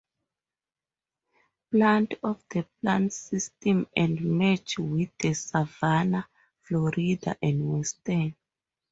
Plant of the Plant System and merged with the Savannah, Florida and Western.